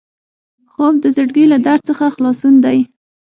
خوب د زړګي له درد څخه خلاصون دی